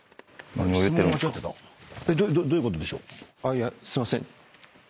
いやすいません。